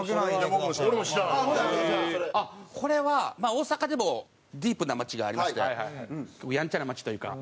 あっこれは大阪でもディープな街がありましてヤンチャな街というか。